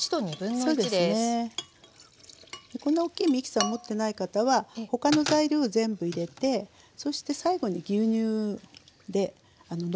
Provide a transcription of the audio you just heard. こんな大きいミキサー持ってない方は他の材料全部入れてそして最後に牛乳でのばすような感じにしてね。